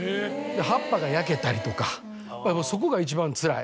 葉っぱが焼けたりとかそこが一番つらい。